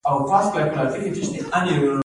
بستونه په څو کټګوریو ویشل شوي؟